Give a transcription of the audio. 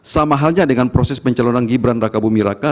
sama halnya dengan proses pencalonan gibran raka bumi raka